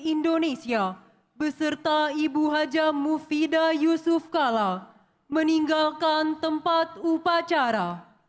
indonesia beserta ibu haja mufidah yusuf kala meninggalkan tempat upacara